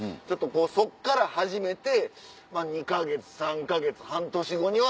そっから始めて２か月３か月半年後には